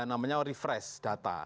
namanya refresh data